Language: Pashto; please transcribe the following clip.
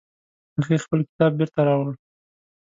هغې خپل کتاب بیرته راوړ